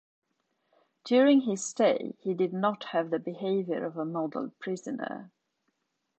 During his stay he did not have the behavior of a model prisoner.